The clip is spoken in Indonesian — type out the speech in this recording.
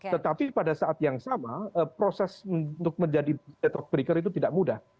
tetapi pada saat yang sama proses untuk menjadi detrok breaker itu tidak mudah